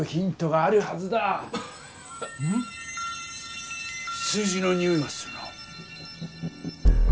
数字のにおいがするな。